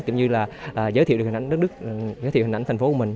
kiểu như là giới thiệu được hình ảnh đất nước giới thiệu hình ảnh thành phố của mình